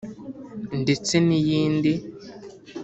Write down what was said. ndetse n’iyindi